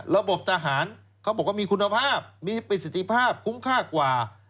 ระบบทหารเขาบอกว่ามีคุณภาพมีประสิทธิภาพคุ้มค่ากว่า